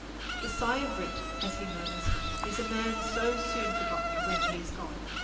The sigh of Rip as he murmurs, "Is a man so soon forgotten when he is gone?"